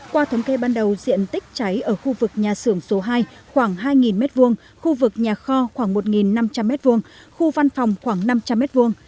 qua thống kê ban đầu diện tích cháy ở khu vực nhà xưởng số hai khoảng hai m hai khu vực nhà kho khoảng một năm trăm linh m hai khu văn phòng khoảng năm trăm linh m hai